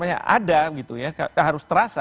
banyak ada gitu ya harus terasa